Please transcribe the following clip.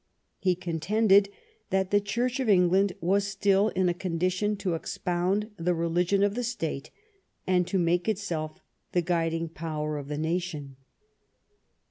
He contended that the Church of England was still in a con dition to expound the religion of the State and to make itself the guiding power of the nation.